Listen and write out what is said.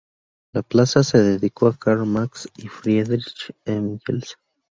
La plaza se dedicó a Karl Marx y Friedrich Engels.